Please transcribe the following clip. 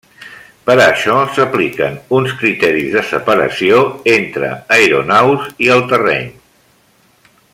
Per a això s'apliquen uns criteris de separació entre aeronaus i amb el terreny.